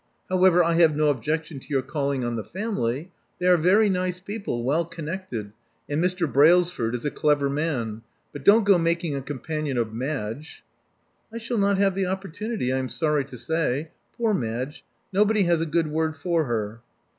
However, I have no objection to your calling qn the family. They are very nice people — well connected ; and Mr. Brailsford is a clever man. But don't go making a companion of Madge." I shall not have the opportunity, I am sorry to say. Poor Madge! Nobody has a good word for her."